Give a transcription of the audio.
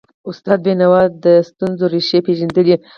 استاد بینوا د ستونزو ریښې پېژندلي.